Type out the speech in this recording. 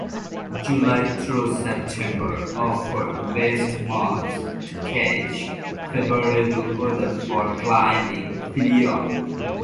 July through September offer the best months to catch favorable weather for climbing Pelion.